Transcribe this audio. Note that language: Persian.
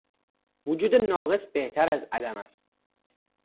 وجود ناقص بهتر از عدم است.